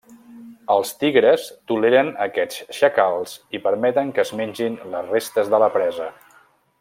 Els tigres toleren aquests xacals i permeten que es mengin les restes de la presa.